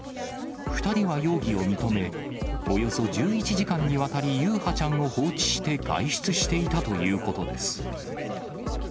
２人は容疑を認め、およそ１１時間にわたり優陽ちゃんを放置して外出していたということです。